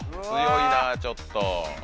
強いなちょっと。